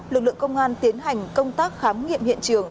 lực lượng công an tiến hành công tác khám nghiệm hiện trường